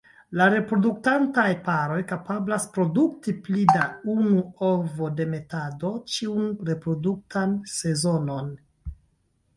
Reproduktantaj paroj kapablas produkti pli da unu ovodemetado ĉiun reproduktan sezonon.